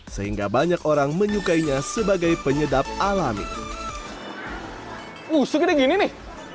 sehingga banyak orang menyukainya sebagai penyedap alami usukinnya gini nih